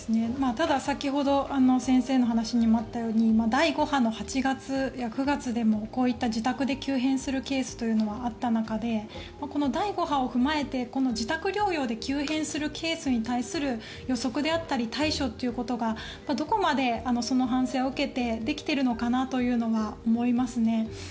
ただ、先ほど先生の話にもあったように第５波の８月、９月でもこういった自宅で急変するケースというのはあった中で第５波を踏まえてこの自宅療養で急変するケースに対する予測であったり対処ということがどこまでその反省を受けてできているのかなというのは思いますね。